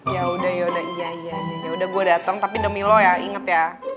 yaudah yaudah gue dateng tapi demi lo ya inget ya